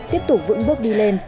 tiếp tục vững bước đi lên